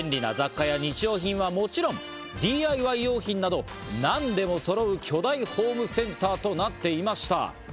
便利な雑貨や日用品はもちろん、ＤＩＹ用品など何でもそろう巨大ホームセンターとなっていました。